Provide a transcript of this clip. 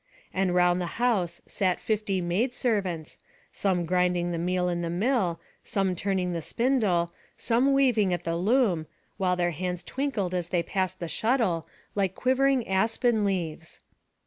And round the house sat fifty maid servants, some grinding the meal in the mill, some turning the spindle, some weaving at the loom, while their hands twinkled as they passed the shuttle, like quivering aspen leaves.